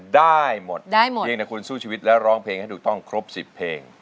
ได้หมดได้หมดเพียงแต่คุณสู้ชีวิตและร้องเพลงให้ถูกต้องครบ๑๐เพลง